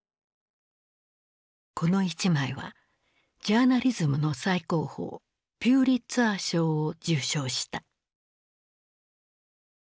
この一枚はジャーナリズムの最高峰ピューリッツァー賞を受賞した。